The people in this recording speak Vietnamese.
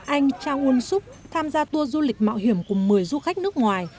anh trang uân xúc tham gia tuôn du lịch mạo hiểm cùng một mươi du khách nước ngoài